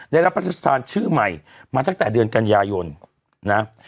ได้รับพระราชทานชื่อใหม่มาตั้งแต่เดือนกันยายนนะ